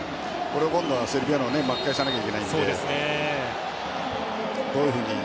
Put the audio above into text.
これ、今度はセルビアも巻き返さないといけないので。